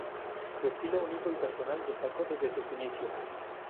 Su estilo único y personal destacó desde sus inicios.